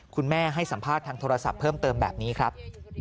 คุณแม่ให้สัมภาษณ์ทางโทรศัพท์เพิ่มเติมแบบนี้ครับ